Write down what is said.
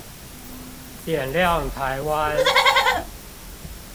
點亮台灣